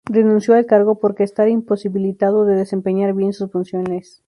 Renunció al cargo porque estar imposibilitado de desempeñar bien sus funciones.